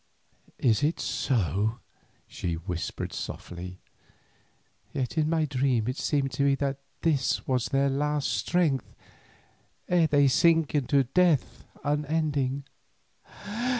"Is it so?" she said softly, "yet in my dream it seemed to me that this was their last strength ere they sink into death unending.